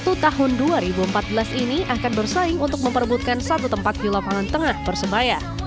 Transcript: satu tahun dua ribu empat belas ini akan bersaing untuk memperbutkan satu tempat di lapangan tengah persebaya